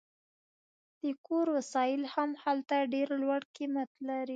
د کور وسایل هم هلته ډیر لوړ قیمت لري